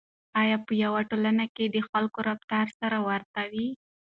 آیا په یوه ټولنه کې د خلکو رفتار سره ورته وي؟